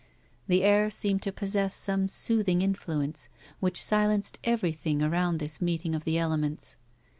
The air seemed to possess some soothing influence which silenced everything around this meeting of the elements.